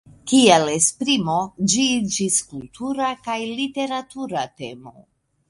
Kiel esprimo ĝi iĝis kultura kaj literatura temo.